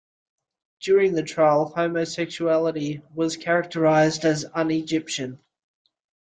During the trial, homosexuality was characterized as "un-Egyptian".